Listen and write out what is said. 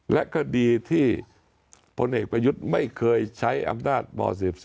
และคดีที่พลเอกประยุทธ์ไม่เคยใช้อำนาจม๑๔